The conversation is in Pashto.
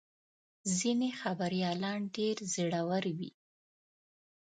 ځینې خبریالان ډېر زړور وي.